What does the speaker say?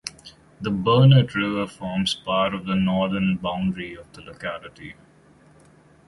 The Burnett River forms part of the northern boundary of the locality.